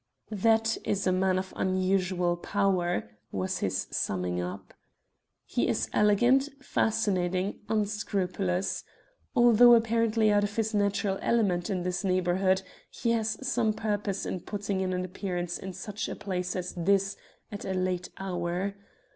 "That is a man of unusual power," was his summing up. "He is elegant, fascinating, unscrupulous. Although apparently out of his natural element in this neighbourhood, he has some purpose in putting in an appearance in such a place as this at a late hour.